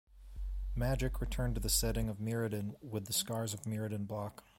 "Magic" returned to the setting of Mirrodin with the Scars of Mirrodin block.